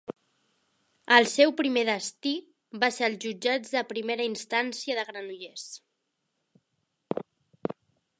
El seu primer destí va ser els jutjats de primera instància de Granollers.